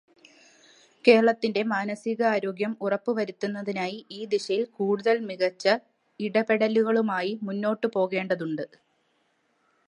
കേരളത്തിന്റെ മാനസികാരോഗ്യം ഉറപ്പു വരുത്തുന്നതിനായി ഈ ദിശയിൽ കൂടുതൽ മികച്ച ഇടപെടലുകളുമായി മുന്നോട്ടു പോകേണ്ടതുണ്ട്.